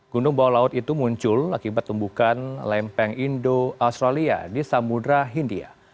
gunung bawah laut itu muncul akibat tumbukan lempeng indo australia di samudera hindia